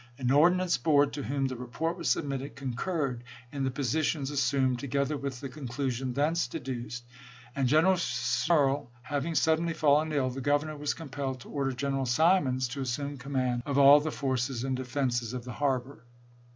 An ordnance board to whom the report was submitted " concurred in the positions assumed, together with the conclusion thence de duced," and General Schnierle having suddenly fallen ill, the Governor was compelled to order General Simons to assume command of all the forces and defenses of the harbor.